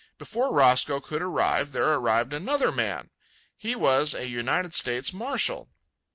Before Roscoe could arrive there arrived another man. He was a United States marshal.